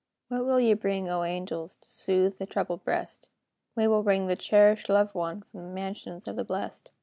What will ye bring, O angels, To soothe the troubled breast? "We will bring the cherished loved one From the mansions of the blest.